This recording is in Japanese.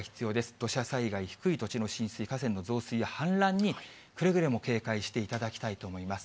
土砂災害、低い土地の浸水、河川の増水や氾濫にくれぐれも警戒していただきたいと思います。